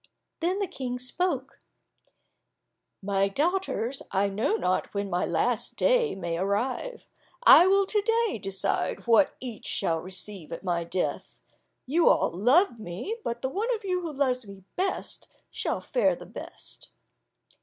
Then the King spoke, "My daughters, I know not when my last day may arrive; I will to day decide what each shall receive at my death. You all love me, but the one of you who loves me best, shall fare the best."